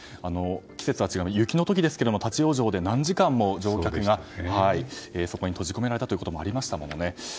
季節は違いますが雪の時ですけども立ち往生で何時間も乗客がそこに閉じ込められたということもありましたものね。